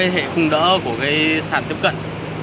hệ khung đỡ của sàn tiếp cận